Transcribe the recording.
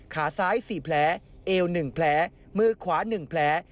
ขาซ้าย๔แผลเอว๑แผลมือขวา๑แผล